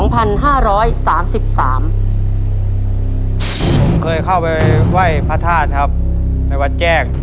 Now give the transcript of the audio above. ผมเคยเข้าไปไหว้พระธาตุครับในวัดแจ้ง